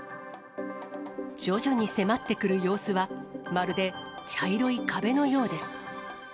徐々に迫ってくる様子は、まるで茶色い壁のようです。